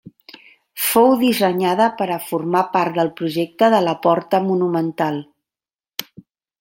Fou dissenyada per a formar part del projecte de la porta monumental.